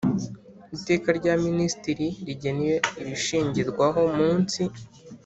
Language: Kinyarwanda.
Iteka rya Minisitiri rigena ibishingirwaho munsi